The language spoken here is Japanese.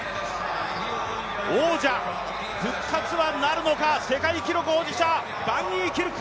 王者復活はなるのか、世界記録保持者、バンニーキルク。